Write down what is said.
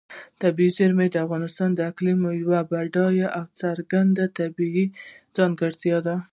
طبیعي زیرمې د افغانستان د اقلیم یوه بډایه او څرګنده طبیعي ځانګړتیا ده.